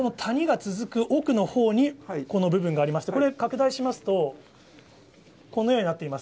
この谷が続く奥のほうにこの部分がありまして、これを拡大しますと、このようになっています。